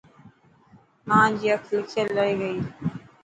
مانجي اک لکيل رهي گئي.